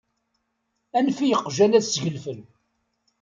Anef i yeqjan ad ssgelfen.